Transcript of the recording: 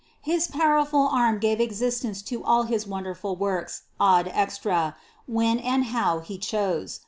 His powerful arm gave exist ence to all his wonderful works ad extra when and how He chose.